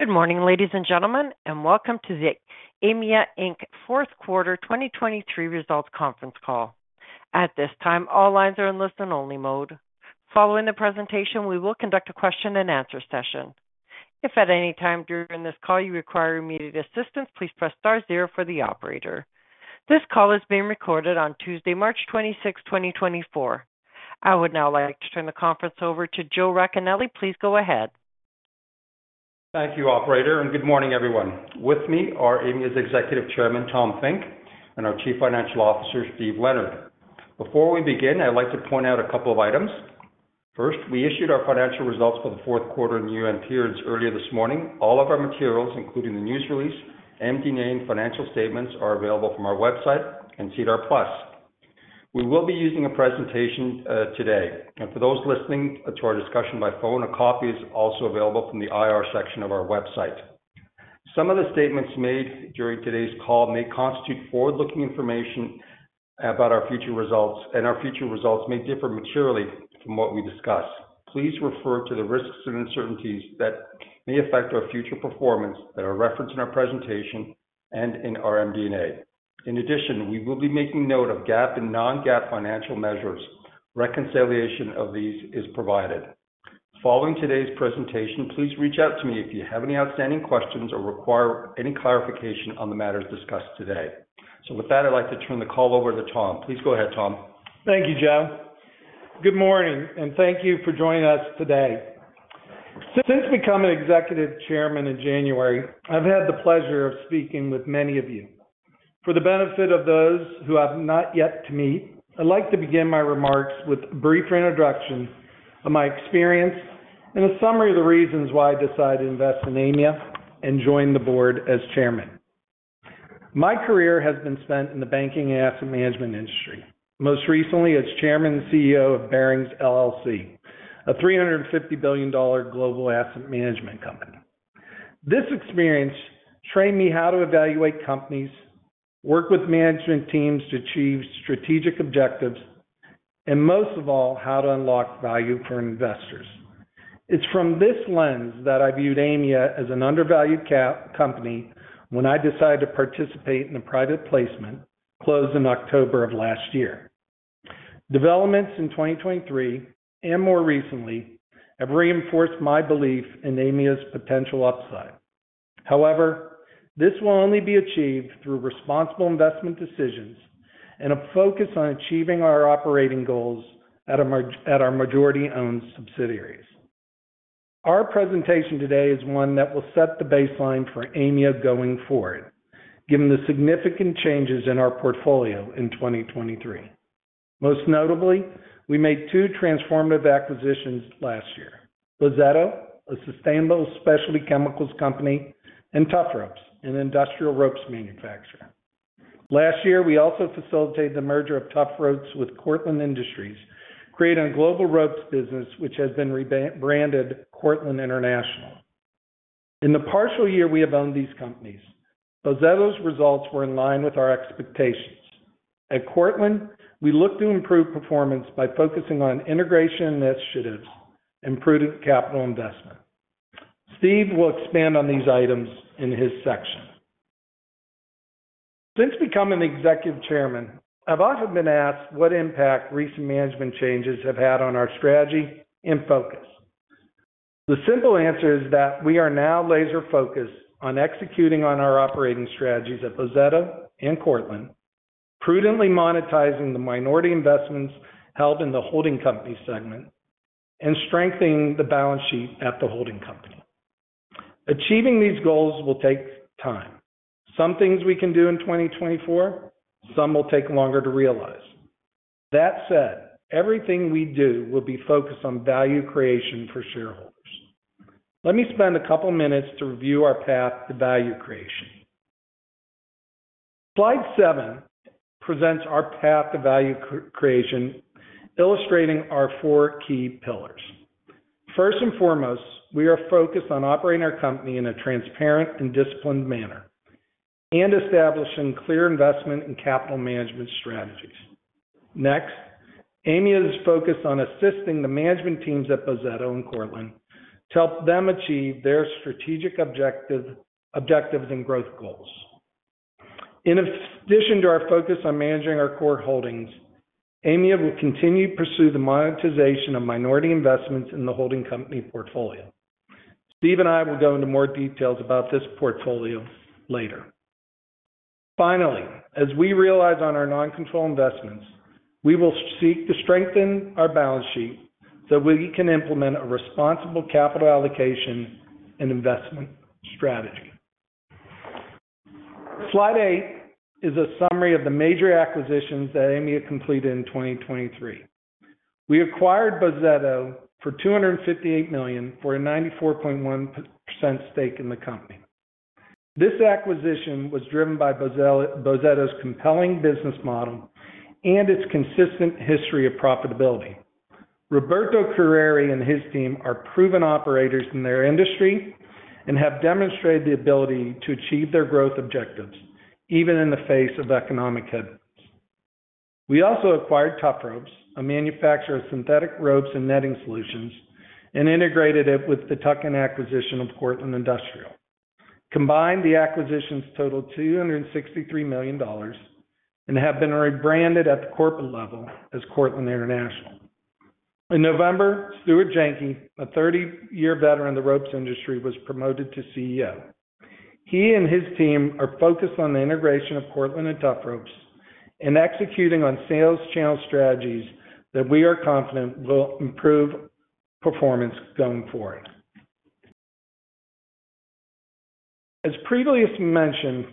Good morning, ladies and gentlemen, and welcome to the Aimia Inc. fourth quarter 2023 results conference call. At this time, all lines are in listen-only mode. Following the presentation, we will conduct a question-and-answer session. If at any time during this call you require immediate assistance, please press star zero for the operator. This call is being recorded on Tuesday, March 26, 2024. I would now like to turn the conference over to Joe Racanelli. Please go ahead. Thank you, operator, and good morning, everyone. With me are Aimia's Executive Chairman, Tom Finke, and our Chief Financial Officer, Steve Leonard. Before we begin, I'd like to point out a couple of items. First, we issued our financial results for the fourth quarter and year-end earlier this morning. All of our materials, including the news release, MD&A, and financial statements, are available from our website and SEDAR+. We will be using a presentation today. For those listening to our discussion by phone, a copy is also available from the IR section of our website. Some of the statements made during today's call may constitute forward-looking information about our future results, and our future results may differ materially from what we discuss. Please refer to the risks and uncertainties that may affect our future performance that are referenced in our presentation and in our MD&A. In addition, we will be making note of GAAP and non-GAAP financial measures. Reconciliation of these is provided. Following today's presentation, please reach out to me if you have any outstanding questions or require any clarification on the matters discussed today. So with that, I'd like to turn the call over to Tom. Please go ahead, Tom. Thank you, Joe. Good morning, and thank you for joining us today. Since becoming Executive Chairman in January, I've had the pleasure of speaking with many of you. For the benefit of those who I've not yet met, I'd like to begin my remarks with a brief introduction of my experience and a summary of the reasons why I decided to invest in Aimia and join the board as Chairman. My career has been spent in the banking and asset management industry, most recently as Chairman and CEO of Barings LLC, a $350 billion global asset management company. This experience trained me how to evaluate companies, work with management teams to achieve strategic objectives, and most of all, how to unlock value for investors. It's from this lens that I viewed Aimia as an undervalued small-cap company when I decided to participate in the private placement closed in October of last year. Developments in 2023 and more recently have reinforced my belief in Aimia's potential upside. However, this will only be achieved through responsible investment decisions and a focus on achieving our operating goals at our majority-owned subsidiaries. Our presentation today is one that will set the baseline for Aimia going forward, given the significant changes in our portfolio in 2023. Most notably, we made two transformative acquisitions last year: Bozzetto, a sustainable specialty chemicals company, and Tufropes, an industrial ropes manufacturer. Last year, we also facilitated the merger of Tufropes with Cortland Industrial, creating a global ropes business which has been rebranded Cortland International. In the partial year we have owned these companies, Bozzetto's results were in line with our expectations. At Cortland, we look to improve performance by focusing on integration initiatives and prudent capital investment. Steve will expand on these items in his section. Since becoming Executive Chairman, I've often been asked what impact recent management changes have had on our strategy and focus. The simple answer is that we are now laser-focused on executing on our operating strategies at Bozzetto and Cortland, prudently monetizing the minority investments held in the holding company segment, and strengthening the balance sheet at the holding company. Achieving these goals will take time. Some things we can do in 2024, some will take longer to realize. That said, everything we do will be focused on value creation for shareholders. Let me spend a couple of minutes to review our path to value creation. Slide 7 presents our path to value creation, illustrating our four key pillars. First and foremost, we are focused on operating our company in a transparent and disciplined manner and establishing clear investment and capital management strategies. Next, Aimia's focus on assisting the management teams at Bozzetto and Cortland to help them achieve their strategic objectives and growth goals. In addition to our focus on managing our core holdings, Aimia will continue to pursue the monetization of minority investments in the holding company portfolio. Steve and I will go into more details about this portfolio later. Finally, as we realize on our non-control investments, we will seek to strengthen our balance sheet so that we can implement a responsible capital allocation and investment strategy. Slide 8 is a summary of the major acquisitions that Aimia completed in 2023. We acquired Bozzetto for $258 million for a 94.1% stake in the company. This acquisition was driven by Bozzetto's compelling business model and its consistent history of profitability. Roberto Carreri and his team are proven operators in their industry and have demonstrated the ability to achieve their growth objectives, even in the face of economic headwinds. We also acquired Tufropes, a manufacturer of synthetic ropes and netting solutions, and integrated it with the tuck-in acquisition of Cortland Industrial. Combined, the acquisitions totaled $263 million and have been rebranded at the corporate level as Cortland International. In November, Stuart Janke, a 30-year veteran in the ropes industry, was promoted to CEO. He and his team are focused on the integration of Cortland and Tufropes and executing on sales channel strategies that we are confident will improve performance going forward. As previously mentioned,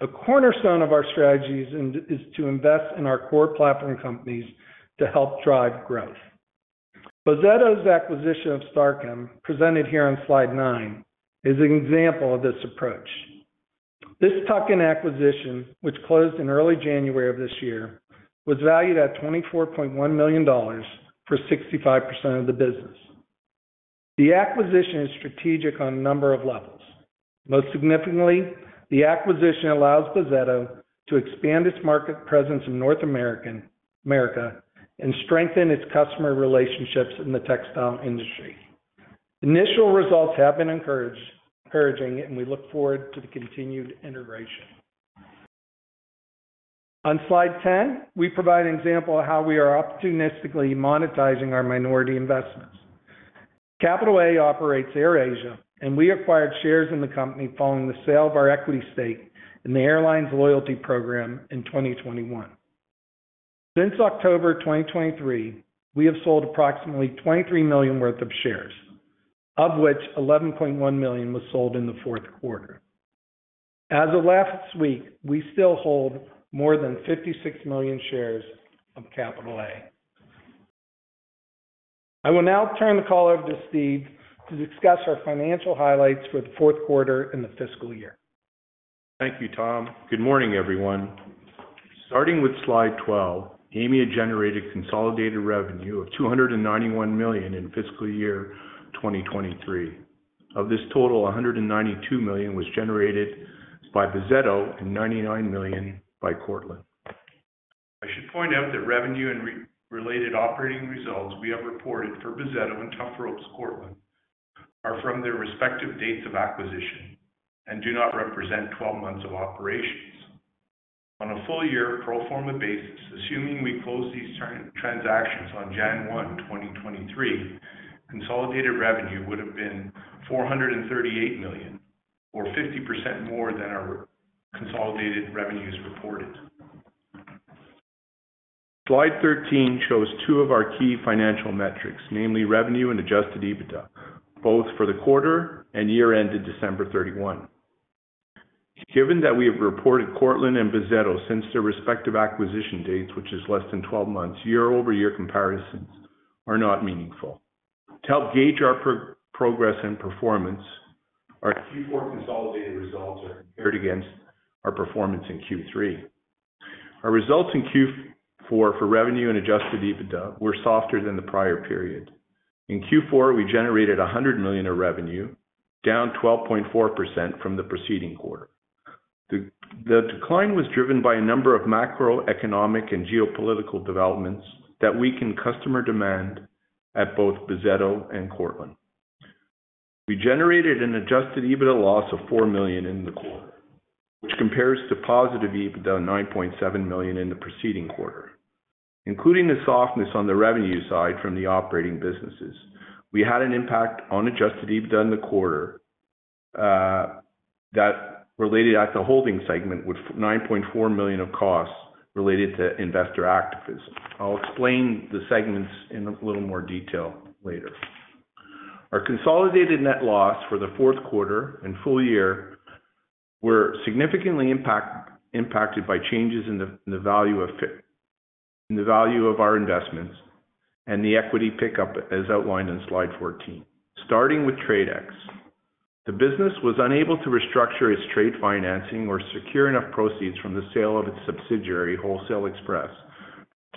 a cornerstone of our strategies is to invest in our core platform companies to help drive growth. Bozzetto's acquisition of StarChem, presented here on slide 9, is an example of this approach. This tuck-in acquisition, which closed in early January of this year, was valued at $24.1 million for 65% of the business. The acquisition is strategic on a number of levels. Most significantly, the acquisition allows Bozzetto to expand its market presence in North America and strengthen its customer relationships in the textile industry. Initial results have been encouraging, and we look forward to the continued integration. On slide 10, we provide an example of how we are opportunistically monetizing our minority investments. Capital A operates AirAsia, and we acquired shares in the company following the sale of our equity stake in the airline's loyalty program in 2021. Since October 2023, we have sold approximately $23 million worth of shares, of which $11.1 million was sold in the fourth quarter. As of last week, we still hold more than 56 million shares of Capital A. I will now turn the call over to Steve to discuss our financial highlights for the fourth quarter and the fiscal year. Thank you, Tom. Good morning, everyone. Starting with slide 12, Aimia generated consolidated revenue of $291 million in fiscal year 2023. Of this total, $192 million was generated by Bozzetto and $99 million by Cortland. I should point out that revenue and related operating results we have reported for Bozzetto and Tufropes and Cortland are from their respective dates of acquisition and do not represent 12 months of operations. On a full-year pro forma basis, assuming we close these transactions on January 1, 2023, consolidated revenue would have been $438 million, or 50% more than our consolidated revenue is reported. Slide 13 shows two of our key financial metrics, namely revenue and Adjusted EBITDA, both for the quarter and year-end in December 31, 2023. Given that we have reported Cortland and Bozzetto since their respective acquisition dates, which is less than 12 months, year-over-year comparisons are not meaningful. To help gauge our progress and performance, our Q4 consolidated results are compared against our performance in Q3. Our results in Q4 for revenue and Adjusted EBITDA were softer than the prior period. In Q4, we generated $100 million of revenue, down 12.4% from the preceding quarter. The decline was driven by a number of macroeconomic and geopolitical developments that weakened customer demand at both Bozzetto and Cortland. We generated an Adjusted EBITDA loss of $4 million in the quarter, which compares to positive EBITDA of $9.7 million in the preceding quarter. Including the softness on the revenue side from the operating businesses, we had an impact on Adjusted EBITDA in the quarter, that related at the holding segment with $9.4 million of costs related to investor activism. I'll explain the segments in a little more detail later. Our consolidated net loss for the fourth quarter and full year were significantly impacted by changes in the value of our investments and the equity pickup as outlined on slide 14. Starting with Trade X, the business was unable to restructure its trade financing or secure enough proceeds from the sale of its subsidiary, Wholesale Express,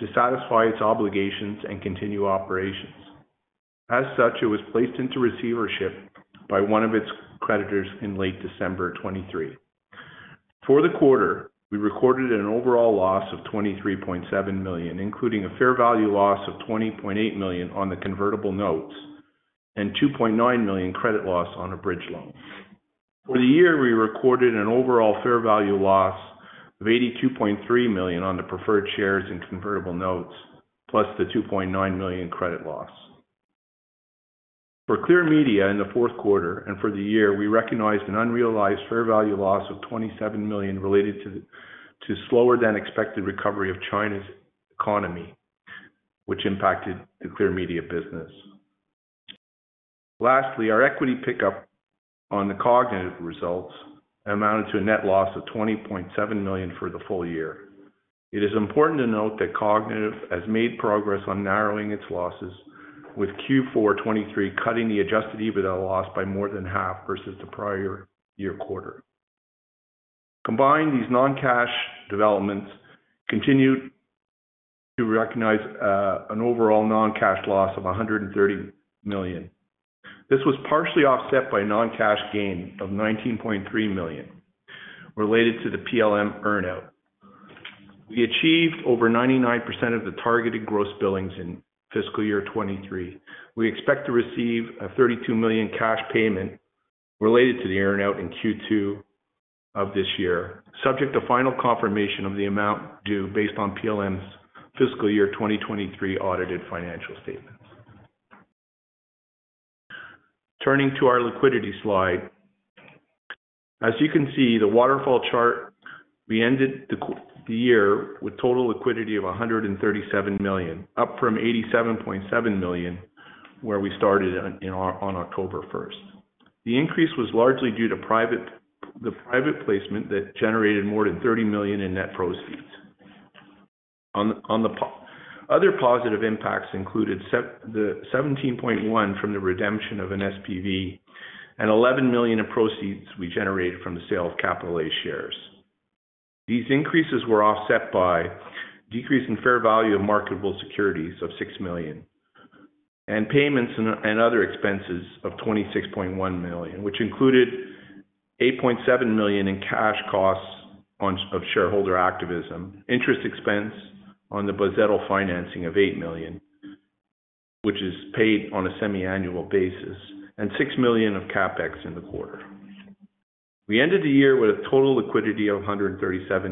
to satisfy its obligations and continue operations. As such, it was placed into receivership by one of its creditors in late December 2023. For the quarter, we recorded an overall loss of $23.7 million, including a fair value loss of $20.8 million on the convertible notes and $2.9 million credit loss on a bridge loan. For the year, we recorded an overall fair value loss of $82.3 million on the preferred shares and convertible notes, plus the $2.9 million credit loss. For Clear Media in the fourth quarter and for the year, we recognized an unrealized fair value loss of $27 million related to slower-than-expected recovery of China's economy, which impacted the Clear Media business. Lastly, our equity pickup on the Kognitiv results amounted to a net loss of $20.7 million for the full year. It is important to note that Kognitiv has made progress on narrowing its losses, with Q4 2023 cutting the Adjusted EBITDA loss by more than half versus the prior year quarter. Combined, these non-cash developments continued to recognize an overall non-cash loss of $130 million. This was partially offset by a non-cash gain of $19.3 million related to the PLM earnout. We achieved over 99% of the targeted gross billings in fiscal year 2023. We expect to receive a $32 million cash payment related to the earnout in Q2 of this year, subject to final confirmation of the amount due based on PLM's fiscal year 2023 audited financial statements. Turning to our liquidity slide. As you can see, the waterfall chart, we ended the year with total liquidity of $137 million, up from $87.7 million where we started on October 1st. The increase was largely due to private placement that generated more than $30 million in net proceeds. Other positive impacts included the $17.1 million from the redemption of an SPV and $11 million in proceeds we generated from the sale of Capital A shares. These increases were offset by a decrease in fair value of marketable securities of $6 million and payments and other expenses of $26.1 million, which included $8.7 million in cash costs of shareholder activism, interest expense on the Bozzetto financing of $8 million, which is paid on a semi-annual basis, and $6 million of CapEx in the quarter. We ended the year with a total liquidity of $137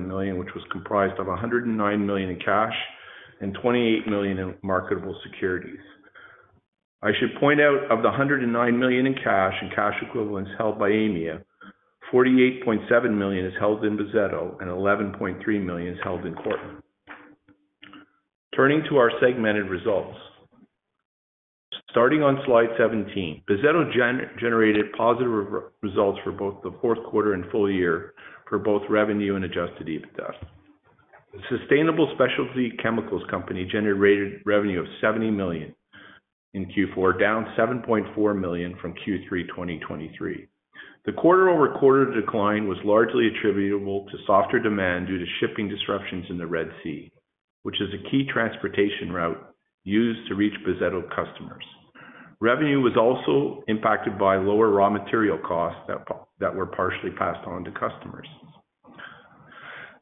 million, which was comprised of $109 million in cash and $28 million in marketable securities. I should point out, of the $109 million in cash and cash equivalents held by Aimia, $48.7 million is held in Bozzetto and $11.3 million is held in Cortland. Turning to our segmented results. Starting on slide 17, Bozzetto generated positive results for both the fourth quarter and full year for both revenue and Adjusted EBITDA. The Sustainable Specialty Chemicals Company generated revenue of $70 million in Q4, down $7.4 million from Q3 2023. The quarter-over-quarter decline was largely attributable to softer demand due to shipping disruptions in the Red Sea, which is a key transportation route used to reach Bozzetto customers. Revenue was also impacted by lower raw material costs that were partially passed on to customers.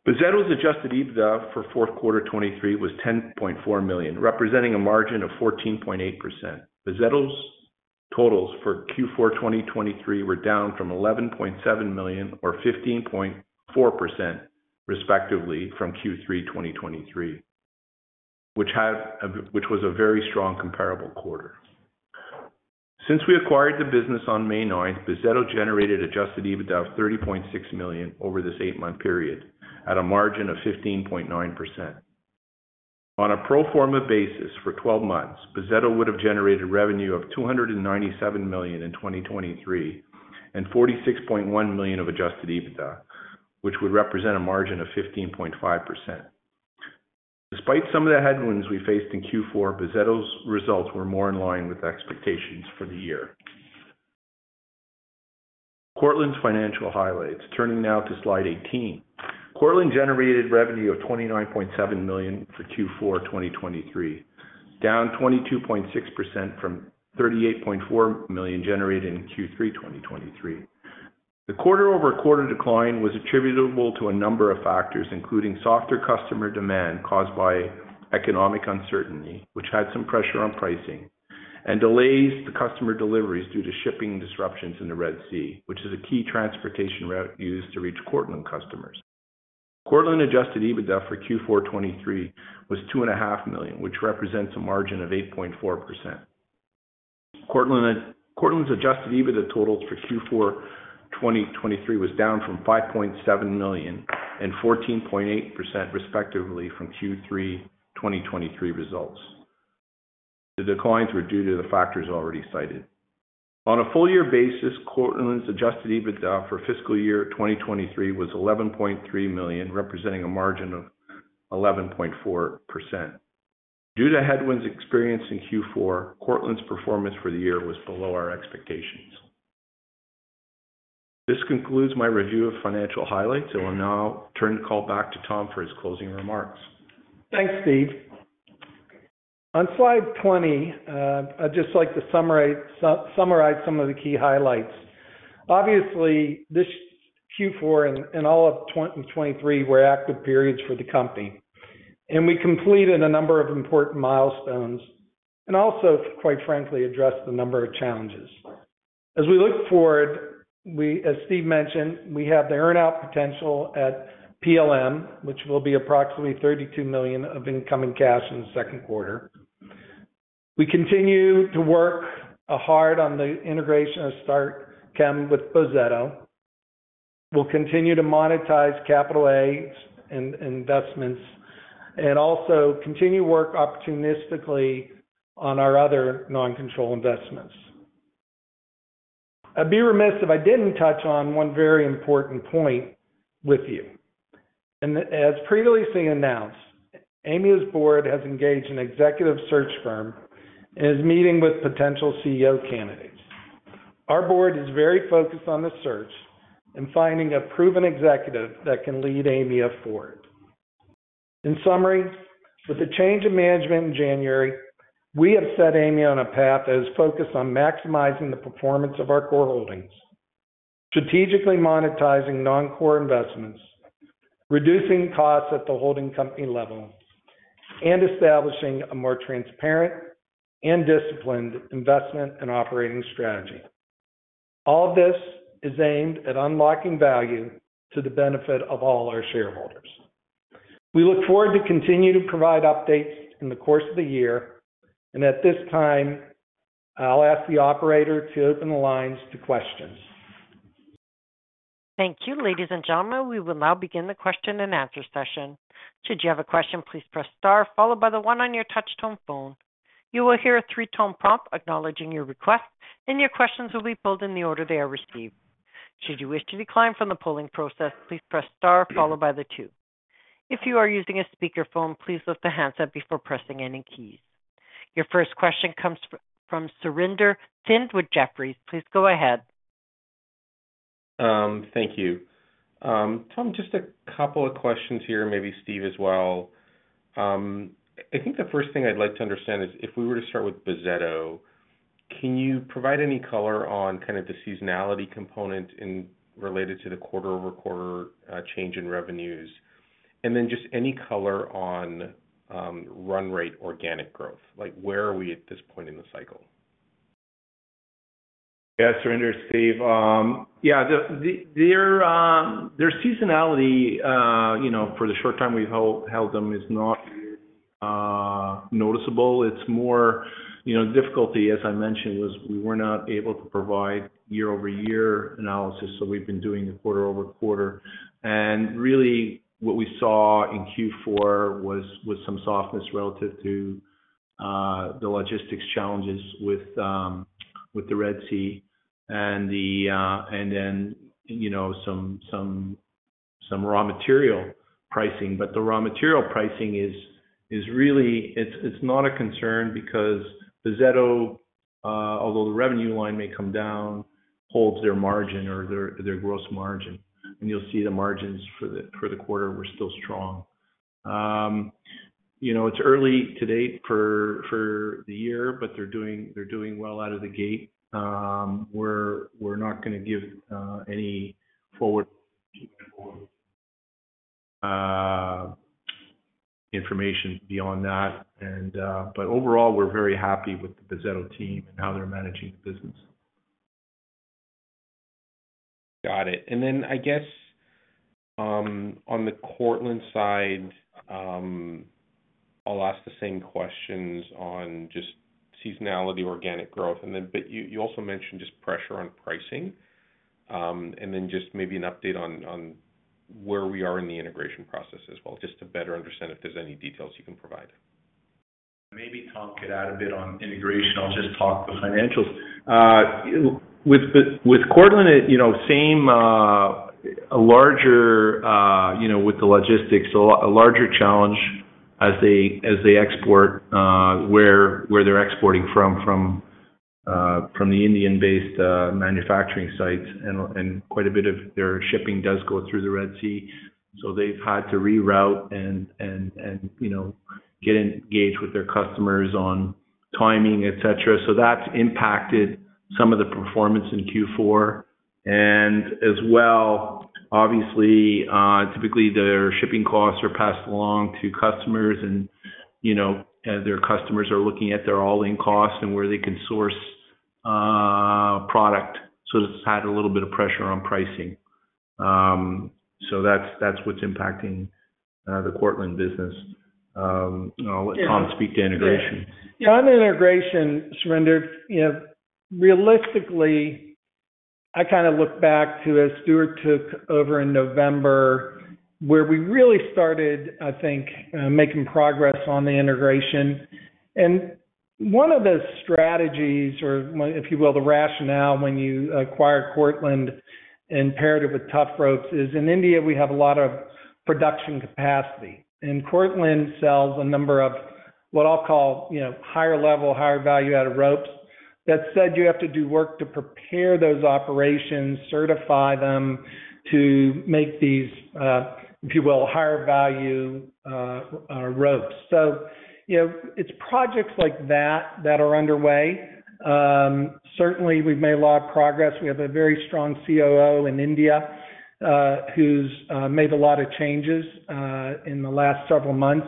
Bozzetto's Adjusted EBITDA for fourth quarter 2023 was $10.4 million, representing a margin of 14.8%. Bozzetto's totals for Q4 2023 were down from $11.7 million or 15.4%, respectively, from Q3 2023, which was a very strong comparable quarter. Since we acquired the business on May 9th, Bozzetto generated Adjusted EBITDA of $30.6 million over this eight-month period at a margin of 15.9%. On a pro forma basis for 12 months, Bozzetto would have generated revenue of $297 million in 2023 and $46.1 million of Adjusted EBITDA, which would represent a margin of 15.5%. Despite some of the headwinds we faced in Q4, Bozzetto's results were more in line with expectations for the year. Cortland's financial highlights. Turning now to slide 18. Cortland generated revenue of $29.7 million for Q4 2023, down 22.6% from $38.4 million generated in Q3 2023. The quarter-over-quarter decline was attributable to a number of factors, including softer customer demand caused by economic uncertainty, which had some pressure on pricing, and delays to customer deliveries due to shipping disruptions in the Red Sea, which is a key transportation route used to reach Cortland customers. Cortland Adjusted EBITDA for Q4 2023 was $2.5 million, which represents a margin of 8.4%. Cortland's Adjusted EBITDA totals for Q4 2023 were down from $5.7 million and 14.8%, respectively, from Q3 2023 results. The declines were due to the factors already cited. On a full-year basis, Cortland's Adjusted EBITDA for fiscal year 2023 was $11.3 million, representing a margin of 11.4%. Due to headwinds experienced in Q4, Cortland's performance for the year was below our expectations. This concludes my review of financial highlights. I will now turn the call back to Tom for his closing remarks. Thanks, Steve. On slide 20, I'd just like to summarize some of the key highlights. Obviously, this Q4 and all of 2023 were active periods for the company, and we completed a number of important milestones and also, quite frankly, addressed a number of challenges. As we look forward, as Steve mentioned, we have the earnout potential at PLM, which will be approximately $32 million of incoming cash in the second quarter. We continue to work hard on the integration of StarChem with Bozzetto. We'll continue to monetize Capital A's investments and also continue to work opportunistically on our other non-control investments. I'd be remiss if I didn't touch on one very important point with you. As previously announced, Aimia's board has engaged an executive search firm and is meeting with potential CEO candidates. Our board is very focused on the search and finding a proven executive that can lead Aimia forward. In summary, with the change in management in January, we have set Aimia on a path that is focused on maximizing the performance of our core holdings, strategically monetizing non-core investments, reducing costs at the holding company level, and establishing a more transparent and disciplined investment and operating strategy. All of this is aimed at unlocking value to the benefit of all our shareholders. We look forward to continuing to provide updates in the course of the year. At this time, I'll ask the operator to open the lines to questions. Thank you. Ladies and gentlemen, we will now begin the question and answer session. Should you have a question, please press star, followed by the one on your touch-tone phone. You will hear a three-tone prompt acknowledging your request, and your questions will be pulled in the order they are received. Should you wish to decline from the polling process, please press star, followed by the two. If you are using a speakerphone, please lift the handset before pressing any keys. Your first question comes from Surinder Thind with Jefferies. Please go ahead. Thank you. Tom, just a couple of questions here, and maybe Steve as well. I think the first thing I'd like to understand is, if we were to start with Bozzetto, can you provide any color on kind of the seasonality component related to the quarter-over-quarter change in revenues? And then just any color on run rate organic growth. Where are we at this point in the cycle? Yeah, Surinder, Steve. Yeah, their seasonality for the short time we've held them is not noticeable. The difficulty, as I mentioned, was we were not able to provide year-over-year analysis, so we've been doing the quarter-over-quarter. And really, what we saw in Q4 was some softness relative to the logistics challenges with the Red Sea and then some raw material pricing. But the raw material pricing is really it's not a concern because Bozzetto, although the revenue line may come down, holds their margin or their gross margin. And you'll see the margins for the quarter were still strong. It's early to date for the year, but they're doing well out of the gate. We're not going to give any forward information beyond that. But overall, we're very happy with the Bozzetto team and how they're managing the business. Got it. And then I guess on the Cortland side, I'll ask the same questions on just seasonality organic growth. But you also mentioned just pressure on pricing. And then just maybe an update on where we are in the integration process as well, just to better understand if there's any details you can provide. Maybe Tom could add a bit on integration. I'll just talk the financials. With Cortland, a larger with the logistics, a larger challenge as they export where they're exporting from, from the Indian-based manufacturing sites. And quite a bit of their shipping does go through the Red Sea. So they've had to reroute and get engaged with their customers on timing, etc. So that's impacted some of the performance in Q4. And as well, obviously, typically, their shipping costs are passed along to customers, and their customers are looking at their all-in costs and where they can source product. So it's had a little bit of pressure on pricing. So that's what's impacting the Cortland business. I'll let Tom speak to integration. Yeah. On integration, Surinder, realistically, I kind of look back to as Stuart took over in November, where we really started, I think, making progress on the integration. And one of the strategies or, if you will, the rationale when you acquired Cortland and paired it with Tufropes is, in India, we have a lot of production capacity. And Cortland sells a number of what I'll call higher-level, higher-value-added ropes. That said, you have to do work to prepare those operations, certify them to make these, if you will, higher-value ropes. So it's projects like that that are underway. Certainly, we've made a lot of progress. We have a very strong COO in India who's made a lot of changes in the last several months.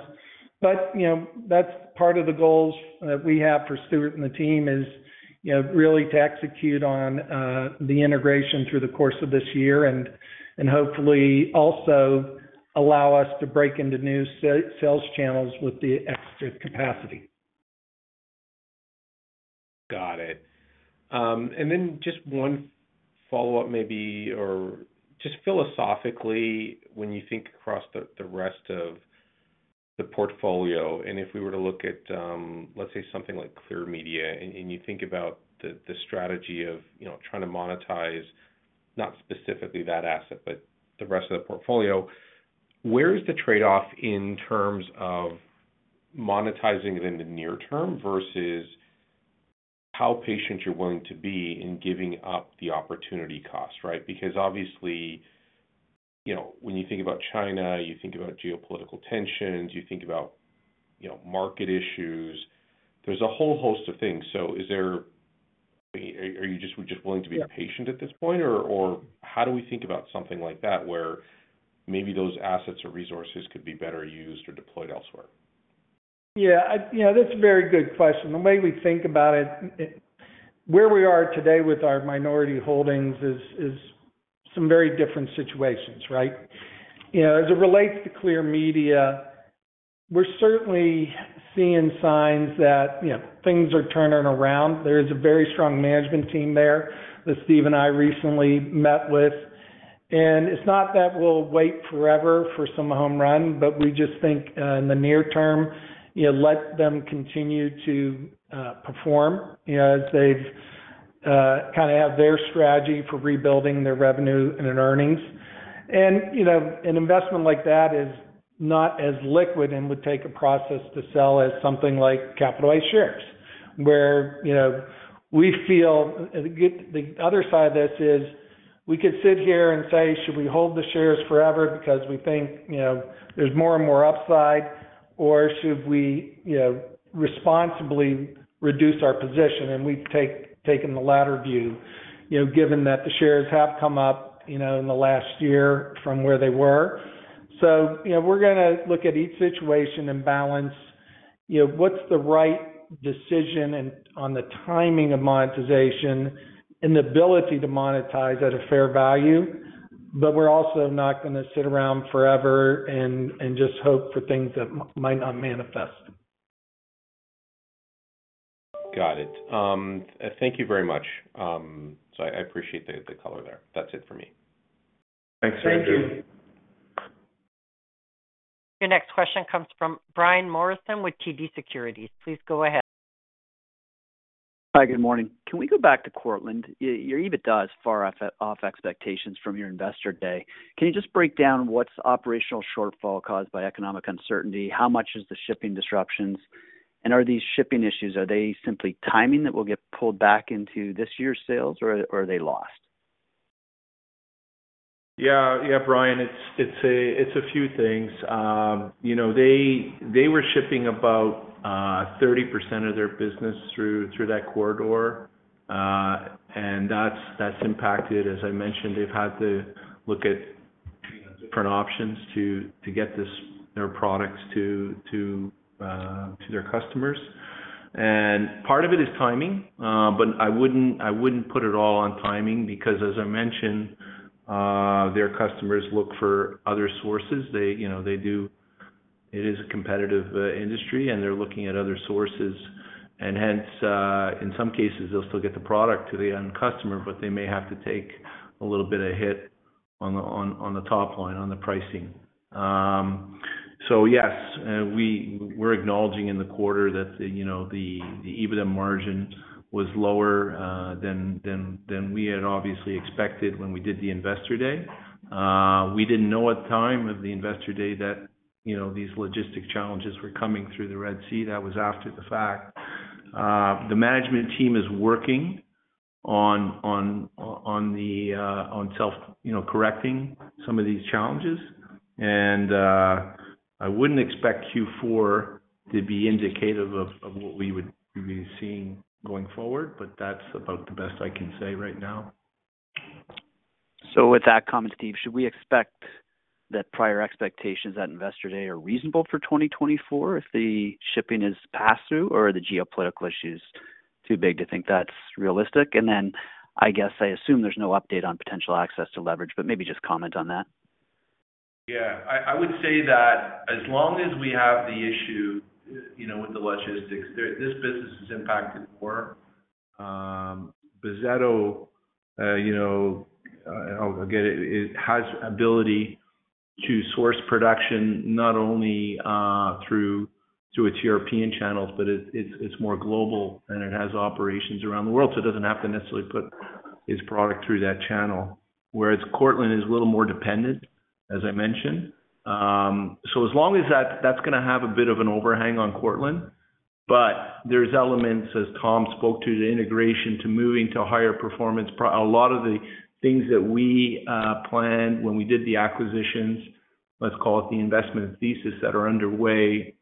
That's part of the goals that we have for Stuart and the team is really to execute on the integration through the course of this year and hopefully also allow us to break into new sales channels with the extra capacity. Got it. And then just one follow-up maybe or just philosophically, when you think across the rest of the portfolio and if we were to look at, let's say, something like Clear Media, and you think about the strategy of trying to monetize not specifically that asset, but the rest of the portfolio, where is the trade-off in terms of monetizing it in the near term versus how patient you're willing to be in giving up the opportunity cost, right? Because obviously, when you think about China, you think about geopolitical tensions, you think about market issues. There's a whole host of things. So are you just willing to be patient at this point, or how do we think about something like that where maybe those assets or resources could be better used or deployed elsewhere? Yeah, that's a very good question. The way we think about it, where we are today with our minority holdings is some very different situations, right? As it relates to Clear Media, we're certainly seeing signs that things are turning around. There is a very strong management team there that Steve and I recently met with. And it's not that we'll wait forever for some home run, but we just think in the near term, let them continue to perform as they've kind of have their strategy for rebuilding their revenue and earnings. And an investment like that is not as liquid and would take a process to sell as something like Capital A shares, where we feel the other side of this is we could sit here and say, "Should we hold the shares forever because we think there's more and more upside? Or should we responsibly reduce our position?" We've taken the latter view, given that the shares have come up in the last year from where they were. We're going to look at each situation and balance what's the right decision on the timing of monetization and the ability to monetize at a fair value. We're also not going to sit around forever and just hope for things that might not manifest. Got it. Thank you very much. So I appreciate the color there. That's it for me. Thanks, Serinder. Thank you. Your next question comes from Brian Morrison with TD Securities. Please go ahead. Hi. Good morning. Can we go back to Cortland? Your EBITDA is far off expectations from your investor day. Can you just break down what's operational shortfall caused by economic uncertainty? How much is the shipping disruptions? And are these shipping issues, are they simply timing that we'll get pulled back into this year's sales, or are they lost? Yeah. Yeah, Brian, it's a few things. They were shipping about 30% of their business through that corridor, and that's impacted. As I mentioned, they've had to look at different options to get their products to their customers. And part of it is timing, but I wouldn't put it all on timing because, as I mentioned, their customers look for other sources. It is a competitive industry, and they're looking at other sources. And hence, in some cases, they'll still get the product to the end customer, but they may have to take a little bit of hit on the top line, on the pricing. So yes, we're acknowledging in the quarter that the EBITDA margin was lower than we had obviously expected when we did the investor day. We didn't know at the time of the investor day that these logistic challenges were coming through the Red Sea. That was after the fact. The management team is working on self-correcting some of these challenges. I wouldn't expect Q4 to be indicative of what we would be seeing going forward, but that's about the best I can say right now. So with that comment, Steve, should we expect that prior expectations at investor day are reasonable for 2024 if the shipping is passed through, or are the geopolitical issues too big to think that's realistic? And then I guess I assume there's no update on potential access to leverage, but maybe just comment on that. Yeah. I would say that as long as we have the issue with the logistics, this business is impacted more. Bozzetto, again, has ability to source production not only through its European channels, but it's more global, and it has operations around the world, so it doesn't have to necessarily put its product through that channel, whereas Cortland is a little more dependent, as I mentioned. So as long as that's going to have a bit of an overhang on Cortland. But there's elements, as Tom spoke to, the integration to moving to higher performance. A lot of the things that we planned when we did the acquisitions, let's call it the investment thesis, that are underway,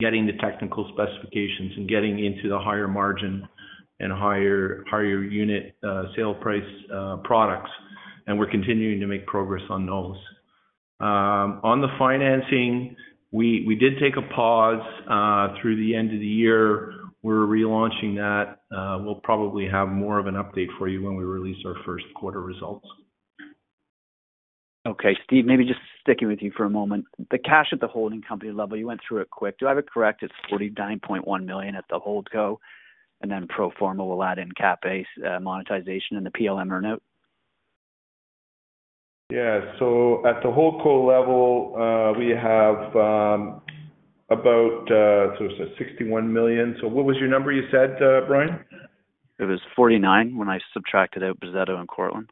getting the technical specifications and getting into the higher margin and higher unit sale price products. And we're continuing to make progress on those. On the financing, we did take a pause. Through the end of the year, we're relaunching that. We'll probably have more of an update for you when we release our first quarter results. Okay. Steve, maybe just sticking with you for a moment. The cash at the holding company level, you went through it quick. Do I have it correct? It's $49.1 million at the HoldCo? And then pro forma, we'll add in Capital A's monetization and the PLM earn-out. Yeah. So at the HoldCo level, we have about, so it's $61 million. So what was your number you said, Brian? It was 49 when I subtracted out Bozzetto and Cortland.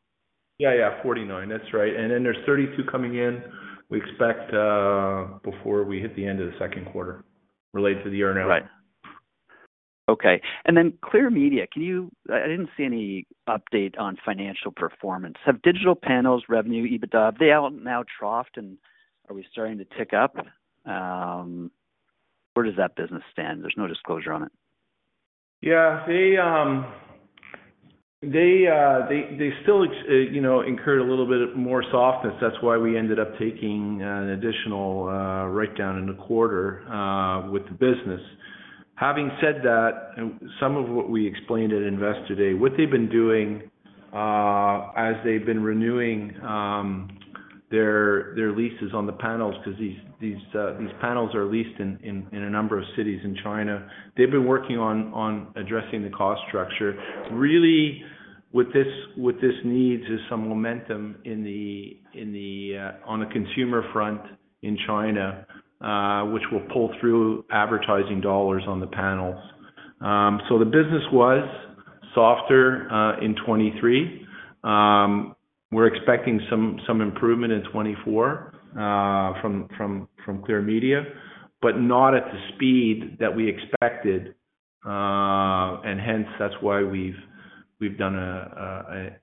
Yeah, yeah. $49. That's right. And then there's $32 coming in we expect before we hit the end of the second quarter related to the earn-out. Right. Okay. And then Clear Media, I didn't see any update on financial performance. Have digital panels revenue EBITDA? Have they all now troughed, and are we starting to tick up? Where does that business stand? There's no disclosure on it. Yeah. They still incurred a little bit more softness. That's why we ended up taking an additional write-down in the quarter with the business. Having said that, some of what we explained at investor day, what they've been doing as they've been renewing their leases on the panels because these panels are leased in a number of cities in China, they've been working on addressing the cost structure. Really, what this needs is some momentum on the consumer front in China, which will pull through advertising dollars on the panels. So the business was softer in 2023. We're expecting some improvement in 2024 from Clear Media, but not at the speed that we expected. Hence, that's why we've done a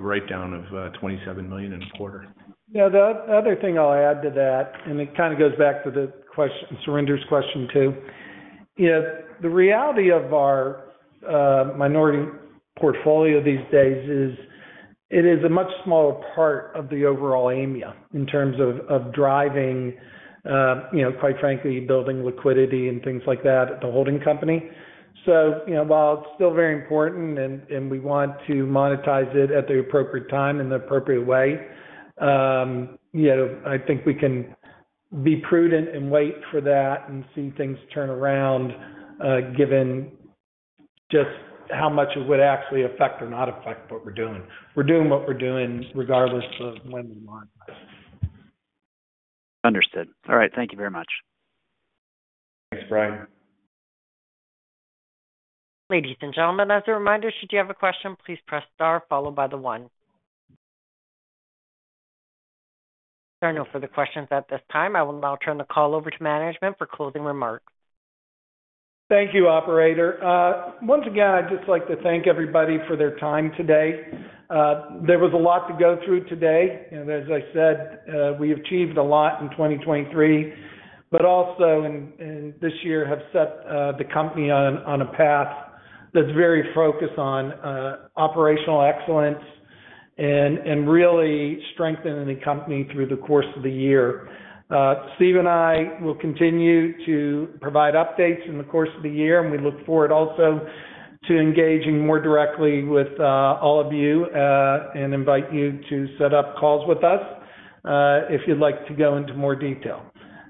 write-down of $27 million in a quarter. Yeah. The other thing I'll add to that, and it kind of goes back to Surinder's question too. The reality of our minority portfolio these days is it is a much smaller part of the overall Aimia in terms of driving, quite frankly, building liquidity and things like that at the holding company. So while it's still very important and we want to monetize it at the appropriate time in the appropriate way, I think we can be prudent and wait for that and see things turn around given just how much it would actually affect or not affect what we're doing. We're doing what we're doing regardless of when we monetize. Understood. All right. Thank you very much. Thanks, Brian. Ladies and gentlemen, as a reminder, should you have a question, please press star followed by the 1. There are no further questions at this time. I will now turn the call over to management for closing remarks. Thank you, operator. Once again, I'd just like to thank everybody for their time today. There was a lot to go through today. As I said, we achieved a lot in 2023, but also in this year, have set the company on a path that's very focused on operational excellence and really strengthening the company through the course of the year. Steve and I will continue to provide updates in the course of the year, and we look forward also to engaging more directly with all of you and invite you to set up calls with us if you'd like to go into more detail.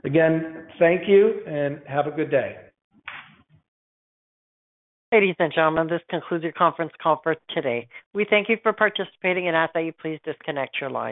Again, thank you, and have a good day. Ladies and gentlemen, this concludes your conference call for today. We thank you for participating, and I ask that you please disconnect your line.